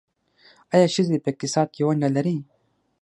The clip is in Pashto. آیا ښځې په اقتصاد کې ونډه لري؟